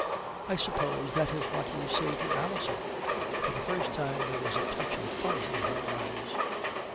"I suppose that is what you say to Alison?" For the first time there was a touch of fun in her eyes.